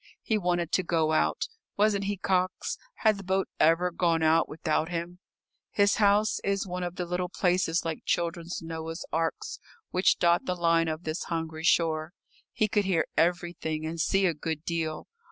He wanted to go out. Wasn't he cox? Had the boat ever gone out without him? His house is one of the little places like children's Noah's arks which dot the line of this hungry shore. He could hear everything and see a good deal.